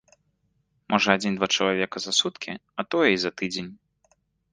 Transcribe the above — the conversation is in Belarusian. Можа, адзін-два чалавека за суткі, а тое і за тыдзень.